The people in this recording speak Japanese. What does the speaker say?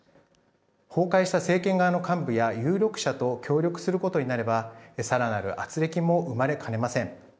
崩壊した政権側の幹部や有力者と協力することになればさらなる、あつれきも生まれかねません。